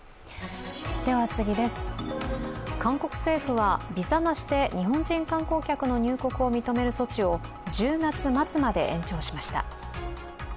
韓国政府はビザなしで日本人観光客の入国を認める措置を１０月末まで延長しました。